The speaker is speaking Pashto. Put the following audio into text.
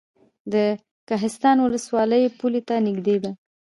د کهسان ولسوالۍ پولې ته نږدې ده